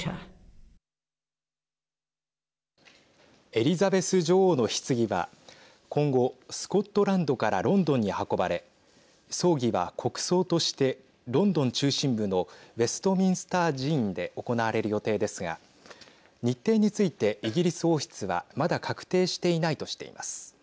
エリザベス女王のひつぎは今後、スコットランドからロンドンに運ばれ葬儀は、国葬としてロンドン中心部のウェストミンスター寺院で行われる予定ですが日程について、イギリス王室はまだ確定していないとしています。